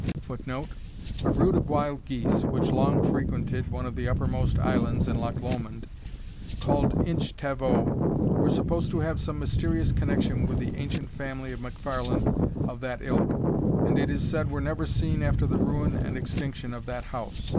[Footnote: A brood of wild geese, which long frequented one of the uppermost islands in Loch Lomond, called Inch Tavoe, were supposed to have some mysterious connexion with the ancient family of MacFarlane of that ilk, and it is said were never seen after the ruin and extinction of that house.